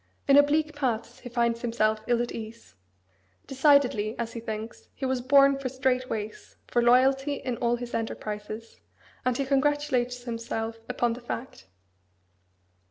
In oblique paths he finds himself ill at ease. Decidedly, as he thinks, he was born for straight ways, for loyalty in all his enterprises; and he congratulates himself upon the fact.